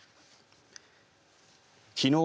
きのう